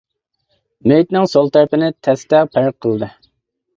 مېيىتنىڭ سول تەرىپىنى تەستە پەرق قىلدى.